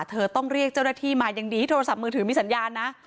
เธอต้องเรียกเจ้าหน้าที่มายังดีที่โทรศัพท์มือถือมีสัญญาณนะ